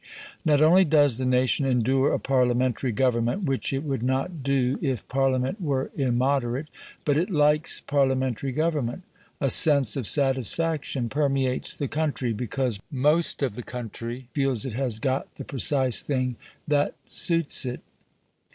Not only does the nation endure a Parliamentary government, which it would not do if Parliament were immoderate, but it likes Parliamentary government. A sense of satisfaction permeates the country because most or the country feels it has got the precise thing that suits it.